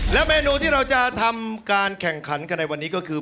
และเมนูที่เราจะทำการแข่งขันกันในวันนี้ก็คือ